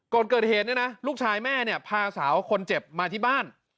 ก่อนเกิดเหตุเนี่ยนะลูกชายแม่เนี่ยพาสาวคนเจ็บมาที่บ้าน